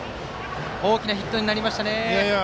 大きなヒットになりましたね。